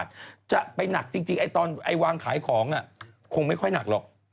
สัตว์เนี่ยแหละกลายเป็นหนัก